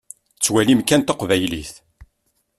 Tettwalim kan taqbaylit.